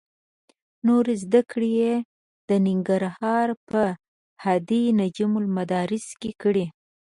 نورې زده کړې یې د ننګرهار په هډې نجم المدارس کې کړې.